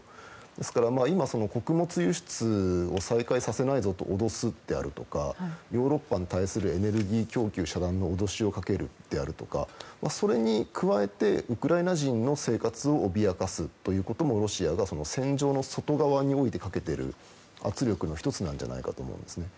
ですから今、穀物輸出を再開させないぞと脅すであるとかヨーロッパに対するエネルギー供給遮断の脅しをかけるであるとかそれに加えて、ウクライナ人の生活を脅かすということもロシアが戦場の外側においてかけている圧力の１つなんじゃないかと思うんですね。